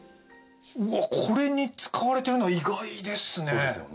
うわっこれに使われてるのは意外ですね。